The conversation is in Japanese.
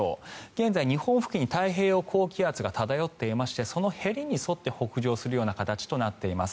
現在、日本付近に太平洋高気圧が漂っていましてそのへりに沿って北上する形となっています。